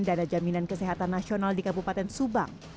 dana jaminan kesehatan nasional di kabupaten subang